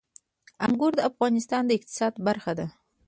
انګور د افغانستان د اقتصاد برخه ده.